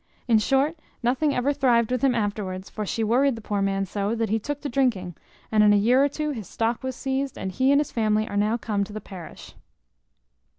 In short, nothing ever thrived with him afterwards; for she worried the poor man so, that he took to drinking; and in a year or two his stock was seized, and he and his family are now come to the parish."